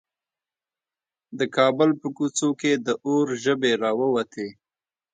د کابل په کوڅو کې د اور ژبې راووتې.